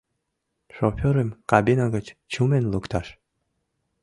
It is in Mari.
Шофёрым кабина гыч чумен лукташ...»